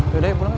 yaudah ya pulang